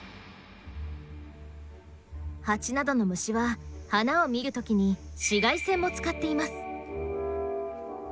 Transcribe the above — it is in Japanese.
ハチなどの虫は花を見るときに紫外線も使っています。